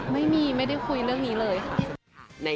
ไม่ได้คุยเรื่องนี้เลยค่ะ